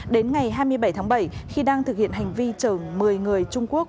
đến ngày hai mươi bảy tháng bảy khi đang thực hiện hành vi chở một mươi người trung quốc